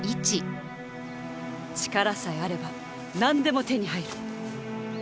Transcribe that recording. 力さえあれば何でも手に入る！